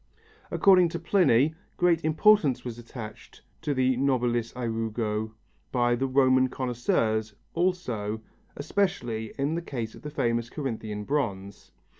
According to Pliny, great importance was attached to the nobilis ærugo by the Roman connoisseurs also, especially in the case of the famous Corinthian bronze.